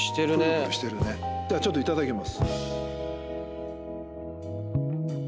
じゃあちょっといただきます。